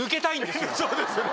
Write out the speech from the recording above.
そうですよね。